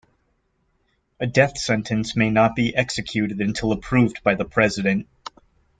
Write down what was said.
A death sentence may not be executed until approved by the President.